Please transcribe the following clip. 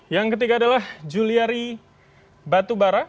yang ketiga adalah juliari batubara